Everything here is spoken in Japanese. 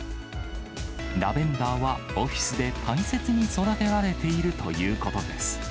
ラベンダーはオフィスで大切に育てられているということです。